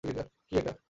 কী এটা?